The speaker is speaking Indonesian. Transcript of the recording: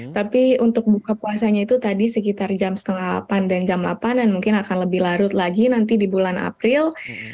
tapi untuk buka puasanya itu tadi sekitar jam setengah delapan dan jam delapan dan mungkin akan lebih larut lagi nanti di bulan april